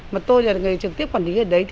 mà tôi là người trực tiếp quản lý ở đấy